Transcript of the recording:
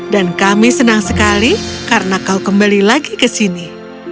dan kami senang sekali karena kau kembali lagi ke sini